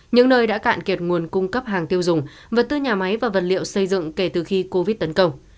những nơi đã cạn kiệt nguồn cung cấp hàng tiêu dùng vật tư nhà máy và vật liệu xây dựng kể từ khi covid tấn công